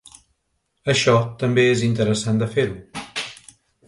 Això també és interessant de fer-ho.